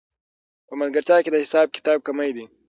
په ملګرتیا کې د حساب کتاب کمی دی